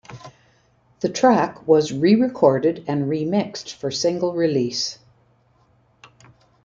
The track was re-recorded and remixed for single release.